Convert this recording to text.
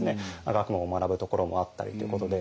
学問を学ぶところもあったりということで。